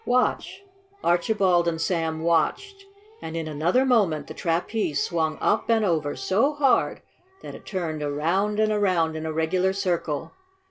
Watch!" Archibald and Sam watched, and in another moment the trapeze swung up and over so hard that it turned around and around in a regular circle.